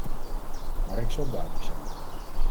Maar ik zal duidelijk zijn.